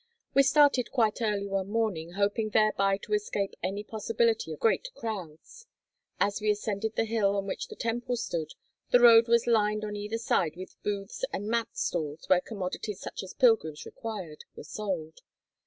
We started quite early one morning hoping thereby to escape any possibility of great crowds. As we ascended the hill on which the temple stood, the road was lined on either side with booths and mat stalls where commodities such as pilgrims required, were sold.